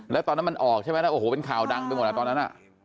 แล้วตอนนั้นมันออกใช่ไหมแล้วโอ้โหเป็นข่าวดังไปหมดตอนนั้น